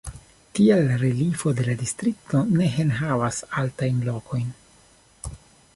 Tial reliefo de la distrikto ne enhavas altajn lokojn.